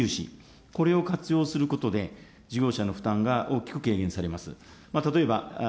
低利融資、これを活用することで、事業者の負担が大きく軽減されます。